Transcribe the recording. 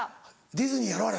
ディズニーやろあれ。